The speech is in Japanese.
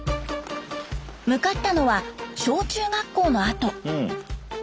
向かったのは小中学校の跡。